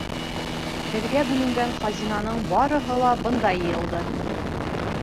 Беҙгә бүленгән хазинаның барыһы ла бында йыйылды.